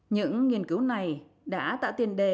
những nghiên cứu này đã tạo tiền đề